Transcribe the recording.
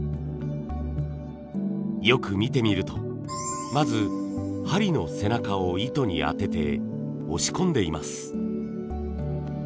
よく見てみるとまず針の背中を糸に当てて押し込んでいます。